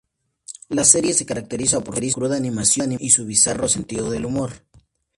La serie se caracteriza por su cruda animación y su bizarro sentido del humor.